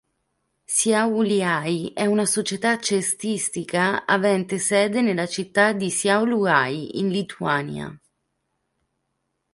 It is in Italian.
Šiauliai è una società cestistica avente sede nella città di Šiauliai, in Lituania.